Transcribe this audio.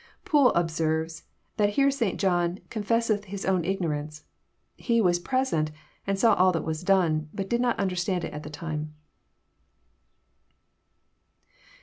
Poole observes, that here St. John '< confesseth his own igno« ranee." He was present, and saw all that was done, but did not understand it at the time.